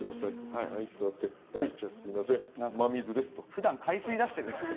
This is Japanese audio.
ふだん海水出してるんですか？